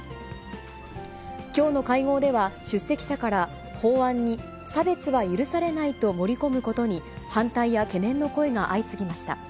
きょうの会合では、出席者から、法案に差別は許されないと盛り込むことに反対や懸念の声が相次ぎました。